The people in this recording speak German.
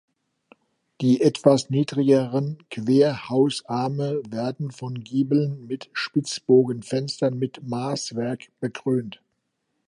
Die etwas niedrigeren Querhausarme werden von Giebeln mit Spitzbogenfenstern mit Maßwerk bekrönt.